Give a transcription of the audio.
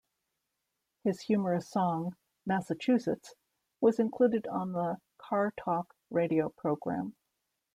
His humorous song "Massachusetts" was included on the "Car Talk" radio program.